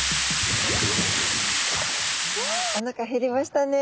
おなか減りましたね。